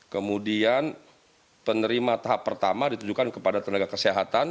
kemudian penerima tahap pertama ditujukan kepada tenaga kesehatan